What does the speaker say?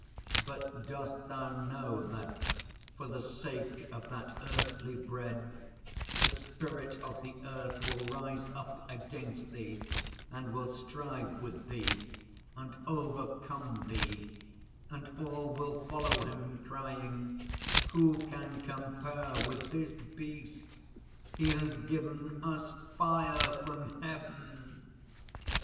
But dost Thou know that for the sake of that earthly bread the spirit of the earth will rise up against Thee and will strive with Thee and overcome Thee, and all will follow him, crying, "Who can compare with this beast? He has given us fire from heaven!"